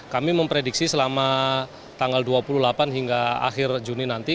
kami memprediksi selama tanggal dua puluh delapan hingga akhir juni nanti